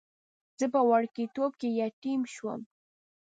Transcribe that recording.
زه په وړکتوب کې یتیم شوم.